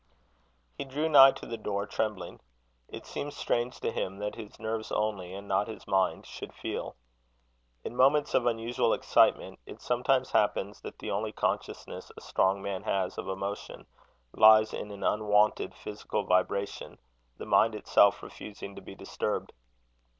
He drew nigh to the door, trembling. It seemed strange to him that his nerves only, and not his mind, should feel. In moments of unusual excitement, it sometimes happens that the only consciousness a strong man has of emotion, lies in an unwonted physical vibration, the mind itself refusing to be disturbed.